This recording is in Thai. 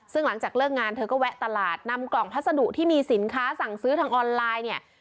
ซึ่งหลังจากเลิกงานเธอก็แวะตลาดนำกล่องพัสดุที่มีสินค้าสั่งซื้อทางออนไลน์เนี่ย